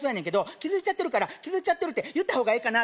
「気づいちゃってるから気づいちゃってると言った方がええかな」